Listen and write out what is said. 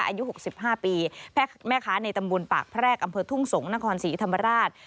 อายุ๖๕ปีแม่ค้าในตำบลปากแพรกอำเภอทุ่งสงศ์นครศรีธรรมราช